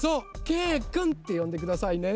けいくんってよんでくださいね。